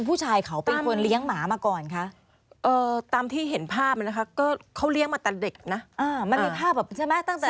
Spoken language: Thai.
ภาพภาพภาพภาพภาพภาพภาพภาพภาพภาพภาพภา